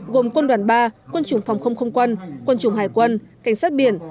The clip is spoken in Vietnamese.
gồm quân đoàn ba quân chủng phòng không không quân quân chủng hải quân cảnh sát biển